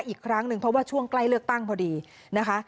อีกครั้งหนึ่งเพราะว่าช่วงใกล้เลือกตั้งพอดีนะคะ